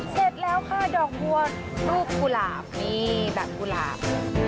เสร็จแล้วค่ะดอกบัวรูปกุหลาบนี่แบบกุหลาบ